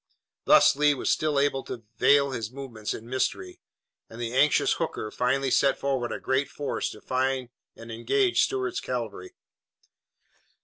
Thus Lee was still able to veil his movements in mystery, and the anxious Hooker finally sent forward a great force to find and engage Stuart's cavalry.